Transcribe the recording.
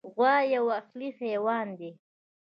غوا یو اهلي حیوان دی.